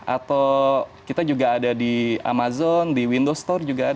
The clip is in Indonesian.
atau kita juga ada di amazon di windows store